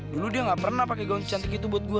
dulu dia gak pernah pakai gaun cantik itu buat gue